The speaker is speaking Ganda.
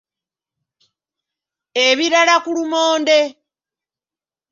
Ebirala ku lumonde.